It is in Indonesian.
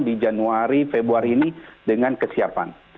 di januari februari ini dengan kesiapan